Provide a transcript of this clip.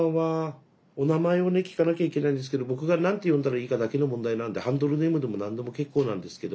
お名前をね聞かなきゃいけないんですけど僕が何て呼んだらいいかだけの問題なんでハンドルネームでも何でも結構なんですけど。